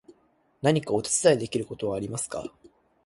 何かお手伝いできることはありますか？